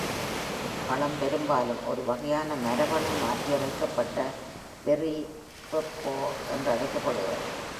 பழம் பெரும்பாலும் ஒரு வகையான மரபணு மாற்றியமைக்கப்பட்ட பெர்ரி, pepo என்றழைக்கப்படுகிறது.